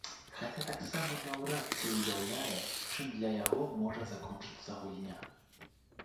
Хаця таксама наўрад ці ўяўляе, чым для яго можа закончыцца гульня.